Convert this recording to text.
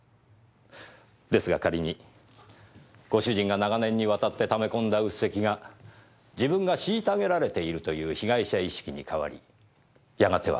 ですが仮にご主人が長年にわたって溜め込んだ鬱積が自分が虐げられているという被害者意識に変わりやがてはあなたへの殺意に変わったとします。